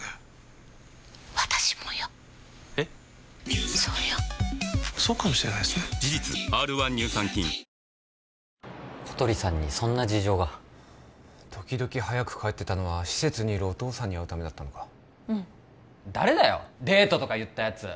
小鳥さんのことたくさん知ることができたので小鳥さんにそんな事情が時々早く帰ってたのは施設にいるお父さんに会うためだったのかうん誰だよデートとか言ったやつ！